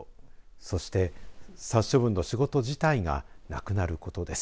そして殺処分の仕事自体がなくなることです。